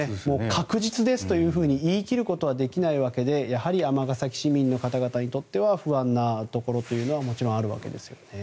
確実ですと言い切ることはできないわけで、やはり尼崎市民の方々にとっては不安なところはもちろんあるわけですね。